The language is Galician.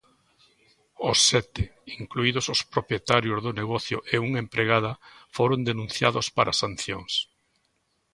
Os sete, incluídos os propietarios do negocio e unha empregada, foron denunciados para sancións.